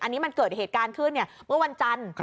อันนี้มันเกิดเหตุการณ์ขึ้นเมื่อวันจันทร์